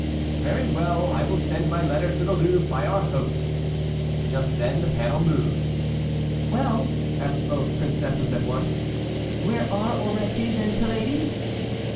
"Very well, I will send my letter to the Louvre by our host." Just then the panel moved. "Well!" asked both princesses at once, "where are Orestes and Pylades?"